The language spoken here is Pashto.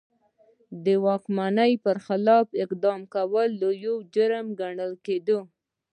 د واکمن پر خلاف اقدام کول لوی جرم ګڼل کېده.